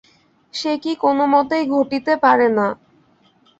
সে কি কোনোমতেই ঘটিতে পারে না।